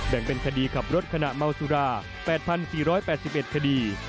เป็นคดีขับรถขณะเมาสุรา๘๔๘๑คดี